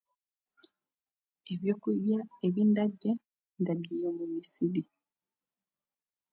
ebyokurya ebindarya ndabiiha mu musiri.